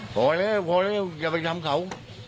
พอแล้วพอแล้วอย่าไปทำเขา